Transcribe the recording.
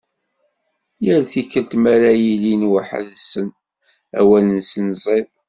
Yal tikkelt mi ara ilin weḥḥed-sen awal-nsen ẓid.